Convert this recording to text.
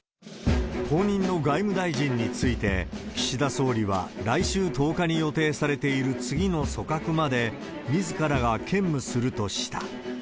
後任の外務大臣について、岸田総理は、来週１０日に予定されている次の組閣まで、みずからが兼務するとした。